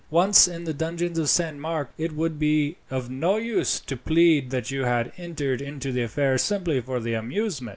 Once in the dungeons of Saint Mark it would be of no use to plead that you had entered into the affair simply for the amusement.